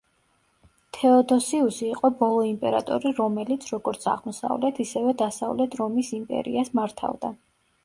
თეოდოსიუსი იყო ბოლო იმპერატორი, რომელიც როგორც, აღმოსავლეთ, ისევე დასავლეთ რომის იმპერიას მართავდა.